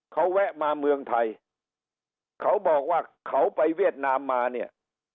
เขาแวะมาเมืองไทยเขาบอกว่าเขาไปเวียดนามมาเนี่ย